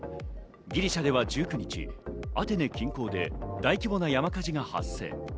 ギリシャでは１９日、アテネ近郊で大規模な山火事が発生。